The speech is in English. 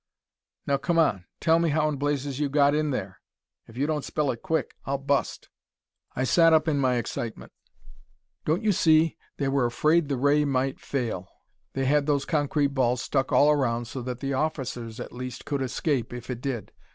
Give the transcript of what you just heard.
"Now come on, tell me how in blazes you got in there. If you don't spill it quick, I'll bust." I sat up in my excitement. "Don't you see, they were afraid the ray might fail. They had those concrete balls stuck all around so that the officers at least could escape, if it did.